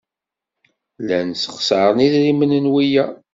Llan ssexṣaren idrimen n wiyaḍ.